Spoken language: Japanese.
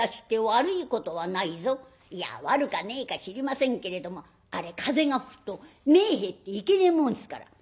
「いや悪かねえか知りませんけれどもあれ風が吹くと目ぇ入っていけねえもんですから」。